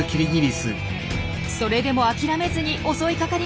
それでも諦めずに襲いかかります。